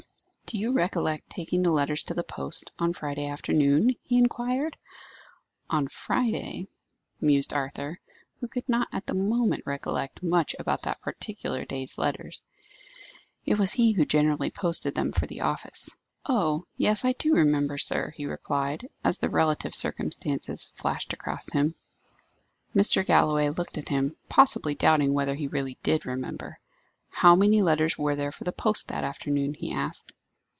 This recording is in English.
"Do you recollect taking the letters to the post, on Friday afternoon?" he inquired. "On Friday?" mused Arthur, who could not at the moment recollect much about that particular day's letters; it was he who generally posted them for the office. "Oh yes, I do remember, sir," he replied, as the relative circumstances flashed across him. Mr. Galloway looked at him, possibly doubting whether he really did remember. "How many letters were there for the post that afternoon?" he asked.